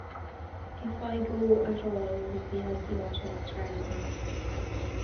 If I go at all it will be as the author of Charley's Aunt.